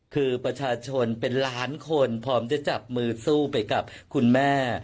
คือประชาชนเป็นล้านคนพร้อมจะจับมือสู้ไปกับคุณแม่